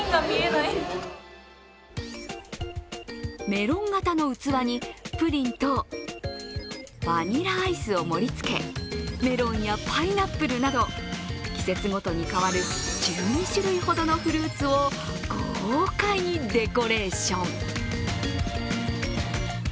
メロン型の器にプリンとバニラアイスを盛りつけメロンやパイナップルなど季節ごとに変わる１２種類ほどのフルーツを豪快にデコレーション。